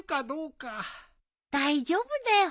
大丈夫だよ